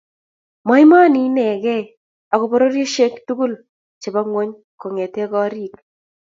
Mo emoni inegei ako pororiosiek tugul chebo ngwony konget gorik